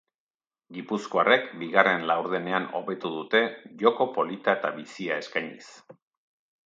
Gipuzkoarrek bigarren laurdenean hobetu dute joko polita eta bizia eskainiz.